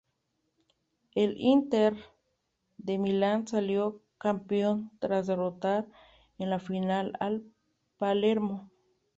El Inter de Milán salió campeón tras derrotar en la final al Palermo.